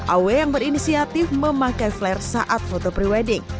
aw yang berinisiatif memakai flare saat foto pre wedding